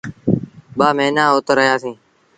ٻآ موهيݩآن اُت رهيآ سيٚݩ۔